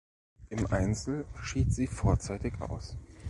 Im Einzel schied sie vorzeitig aus.